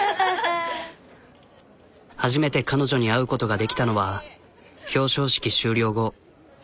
初めて彼女に会うことができたのは表彰式終了後。